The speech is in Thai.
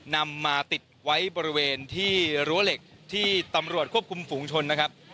นำมาติดไว้บริเวณที่รั้วเหล็กที่ตำรวจควบคุมฝูงชนนะครับ